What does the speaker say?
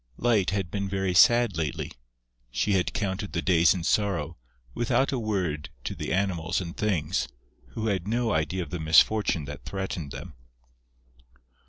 Light had been very sad lately; she had counted the days in sorrow, without a word to the Animals and Things, who had no idea of the misfortune that threatened them.